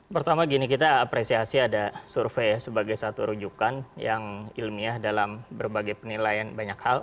pertama gini kita apresiasi ada survei sebagai satu rujukan yang ilmiah dalam berbagai penilaian banyak hal